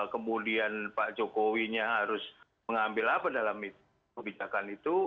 kemudian pak jokowinya harus mengambil apa dalam kebijakan itu